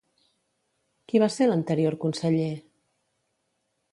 Qui va ser l'anterior conseller?